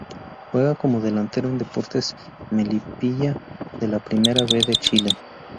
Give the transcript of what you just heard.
Juega como delantero en Deportes Melipilla de la Primera B de Chile.